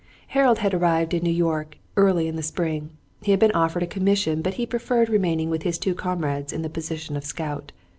Harold had arrived in New York early in the spring. He had been offered a commission, but he preferred remaining with his two comrades in the position of scout.